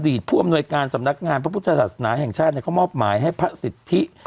ผู้อำนวยการสำนักงานพระพุทธศาสนาแห่งชาติเขามอบหมายให้พระสิทธิ